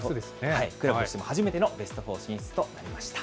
クラブとしても初めてのベストフォー進出となりました。